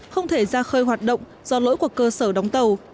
không thể ra khơi hoạt động do lỗi của cơ sở đóng tàu